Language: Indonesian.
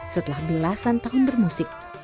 setelah belasan tahun bermusik